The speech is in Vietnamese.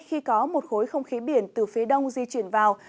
khi có một khối không khí biển từ phía đông di chuyển vào